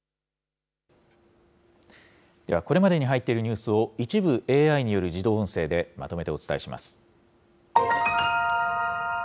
では、これまでに入っているニュースを一部ＡＩによる自動音声でまとめてお伝えします。